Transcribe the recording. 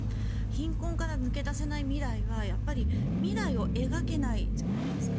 貧困から抜け出せない未来はやっぱり、未来を描けないじゃないですか。